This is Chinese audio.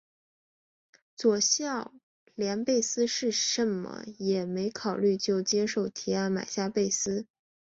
佐孝连贝斯是甚么也没考虑就接受提案买下贝斯。